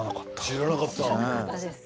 知らなかったです。